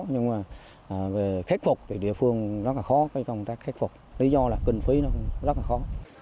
nhưng mà về khách phục thì địa phương rất là khó công tác khách phục lý do là kinh phí rất là khó